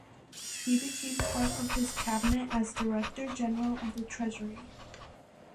He became part of his cabinet as director general of the treasury.